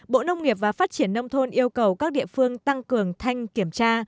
bộ nông nghiệp và phát triển nông thôn yêu cầu các địa phương tăng cường thanh kiểm tra